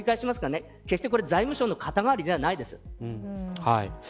決して、財務省の肩代わりではないです。